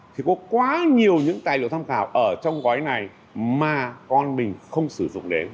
thì có quá nhiều những tài liệu tham khảo ở trong gói này mà con mình không sử dụng đến